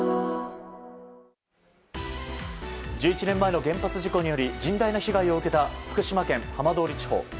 １１年前の原発事故により甚大な被害を受けた福島県浜通り地方。